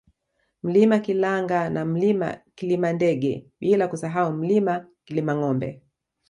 Mlima Kilanga na Mlima Kilimandege bila kusahau Mlima Kilimangombe